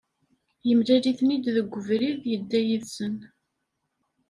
Yemlal-iten-id deg ubrid, yedda yid-sen.